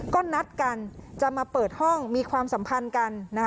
ก็นัดกันจะมาเปิดห้องมีความสัมพันธ์กัน